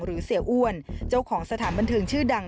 เสียอ้วนเจ้าของสถานบันเทิงชื่อดัง